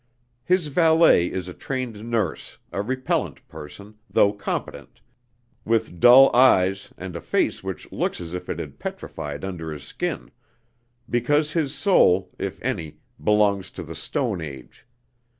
"His valet is a trained nurse, a repellent person, though competent, with dull eyes and a face which looks as if it had petrified under his skin, because his soul if any belongs to the Stone Age.